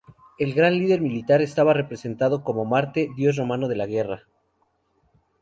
El gran líder militar estaba representado como Marte, dios romano de la guerra.